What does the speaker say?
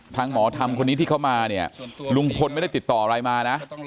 หมอธรรมคนนี้ที่เขามาเนี่ยลุงพลไม่ได้ติดต่ออะไรมานะ